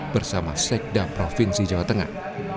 bersama sekda provinsi jawa tengah